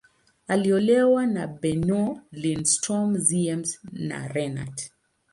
Aliolewa na Bernow, Lindström, Ziems, na Renat.